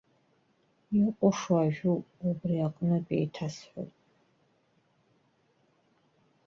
Иҟәышу ажәоуп, убри аҟнытә еиҭасҳәоит.